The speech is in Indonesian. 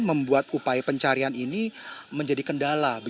membuat upaya pencarian ini menjadi kendala